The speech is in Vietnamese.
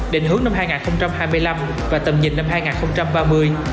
định hướng năm hai nghìn hai mươi năm và tầm nhìn năm hai nghìn ba mươi